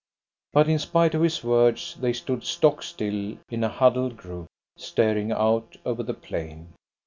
But in spite of his words, they stood stock still, in a huddled group, staring out over the plain.